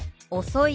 「遅い」。